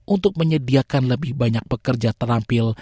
untuk menyediakan lebih banyak pekerja terampil